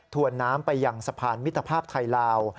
วนน้ำไปยังสะพานมิตรภาพไทยลาว